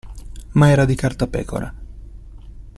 Ma era di cartapecora.